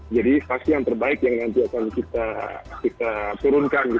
jadi pasti yang terbaik yang nanti akan kita turunkan